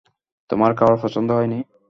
তোমার খাবার পছন্দ হয় নি?